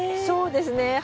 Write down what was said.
そうですね。